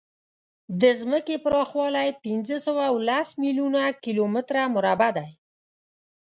د ځمکې پراخوالی پینځهسوهلس میلیونه کیلومتره مربع دی.